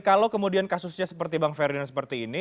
kalau kemudian kasusnya seperti bang ferdinand seperti ini